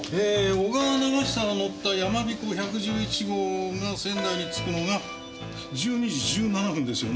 小川長久が乗ったやまびこ１１１号が仙台に着くのが１２時１７分ですよね。